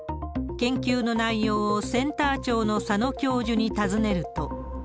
研究の内容をセンター長の佐野教授に尋ねると。